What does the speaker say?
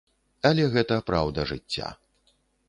Але гэта праўда жыцця.